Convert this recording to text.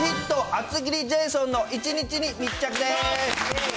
厚切りジェイソンの１日に密着です。